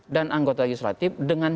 dan anggota legislatif dengan